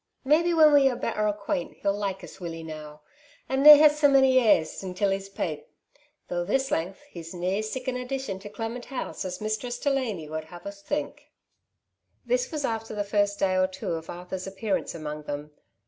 Maybe when we are better acquaint he'll like ui weel enow, and nae have sae mony airs intil his pate, though this length he's nae sic an addition to ' Clement House ' as Mistress Delany would have ua think/' This was after the first day or two of Arthur's appearance among them.